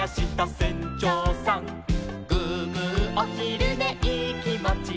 「グーグーおひるねいいきもち」